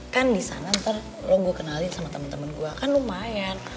kan di sana ntar lo gue kenalin sama temen temen gue kan lumayan